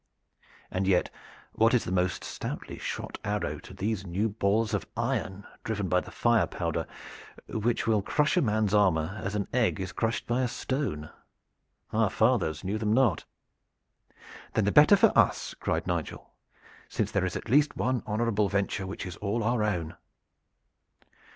And yet, what is the most strongly shot arrow to these new balls of iron driven by the fire powder which will crush a man's armor as an egg is crushed by a stone? Our fathers knew them not." "Then the better for us," cried Nigel, "since there is at least one honorable venture which is all our own."